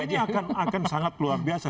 ini akan sangat luar biasa